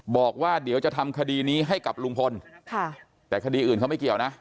บอกว่าเดี๋ยวจะทำคดีนี้ให้กับลุงพลแต่คดีอื่นเขาไม่เกี่ยวนะ